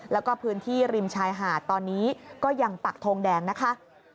แล้วก็พื้นที่ริมชายหาดตอนนี้ก็ยังปักทงแดงนะคะ